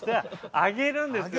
上げるんですよ。